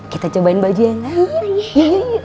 kita cobain baju ya enggak